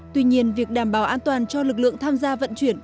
tuy nhiên việc đảm bảo an toàn cho lực lượng tham gia vận chuyển